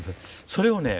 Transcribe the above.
それををね